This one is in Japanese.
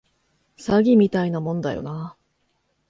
詐欺みたいなもんだよな